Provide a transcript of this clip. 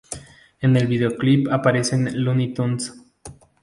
En el videoclip aparecen los Luny Tunes.